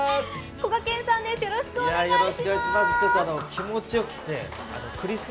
こがけんさんです、よろしくお願いします。